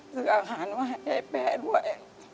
ซื้ออาหารไว้ให้แม่ด้วย